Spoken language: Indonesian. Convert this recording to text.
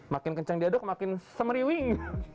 makin kencang diaduk makin semeriwing